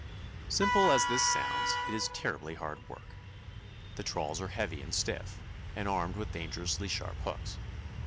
] Simple as this sounds, it is terribly hard work. The trawls are heavy and stiff, and armed with dangerously sharp hooks.